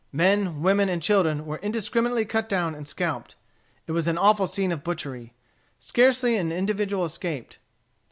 Men, women, and children were indiscriminately cut down and scalped. It was an awful scene of butchery. Scarcely an individual escaped.